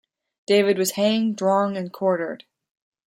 David was hanged, drawn and quartered.